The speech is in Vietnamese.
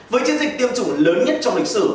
với chiến dịch tiêm chủng lớn nhất trong lịch sử